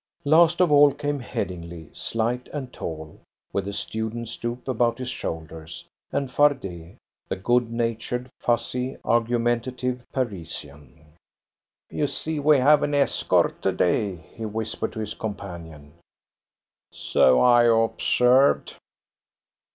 Last of all came Headingly, slight and tall, with the student stoop about his shoulders, and Fardet, the good natured, fussy, argumentative Parisian. "You see we have an escort to day," he whispered to his companion. "So I observed."